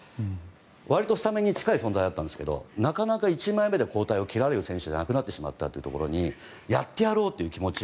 割とスタメンに近い存在だったんですけどなかなか１枚目で交代を切られる選手ではなくなってしまったというところにやってやろうという気持ち。